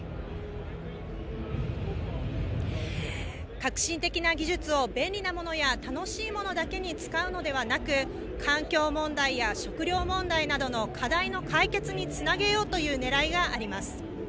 革新的な技術を便利なものや楽しいものだけに使うのではなく、環境問題や食料問題などの課題の解決につなげようというねらいがあります。